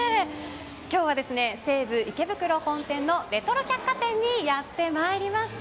今日は西武池袋本店のレトロ百貨展にやってまいりました。